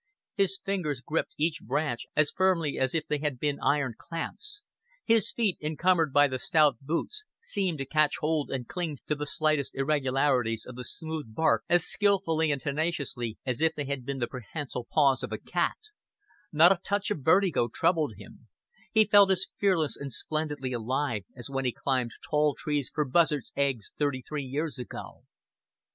His fingers gripped each branch as firmly as if they had been iron clamps; his feet, encumbered by the stout boots, seemed to catch hold and cling to the slightest irregularities of the smooth bark as skilfully and tenaciously as if they had been the prehensile paws of a cat; not a touch of vertigo troubled him; he felt as fearless and splendidly alive as when he climbed tall trees for buzzards' eggs thirty three years ago.